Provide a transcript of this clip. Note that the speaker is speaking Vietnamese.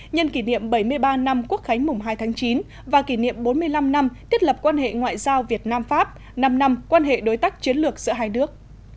nhân kỷ niệm bảy mươi ba năm quốc khánh mùng hai tháng chín và kỷ niệm bốn mươi năm năm thiết lập quan hệ ngoại giao việt nam pháp năm năm quan hệ đối tác chiến lược giữa hai nước